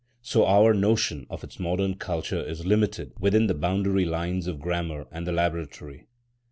So our notion of its modern culture is limited within the boundary lines of grammar and the laboratory.